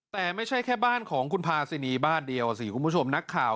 แต่ไม่ใช่แค่บ้านของคุณพาซินีบ้านเดียวสิคุณผู้ชมนักข่าว